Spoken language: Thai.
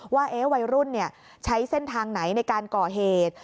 ว่าวัยรุ่นใช้เส้นทางไหนในการก่อเหตุ